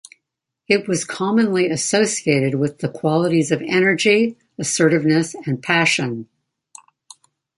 It was commonly associated with the qualities of energy, assertiveness, and passion.